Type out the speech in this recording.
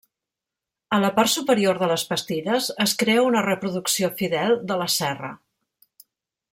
A la part superior de les pastilles es crea una reproducció fidel de la serra.